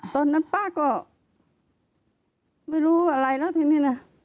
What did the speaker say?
ตอนนั้นป้าก็ไม่รู้อะไรแล้วทีนี้นะ